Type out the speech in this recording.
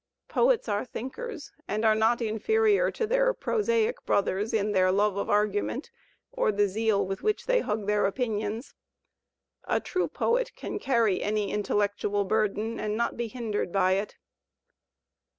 Poets are thinkers and are not inferior to their prosaic brothers in their love of argument or the zeal with which they hug their opinions. A true poet can carry any intellectual burden and not be hindered by it.